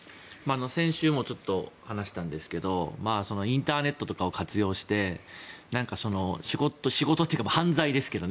先週も話したんですがインターネットとかを活用して仕事というか犯罪ですけどね